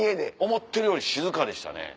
思ってるより静かでしたね